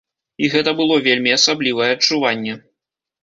І гэта было вельмі асаблівае адчуванне.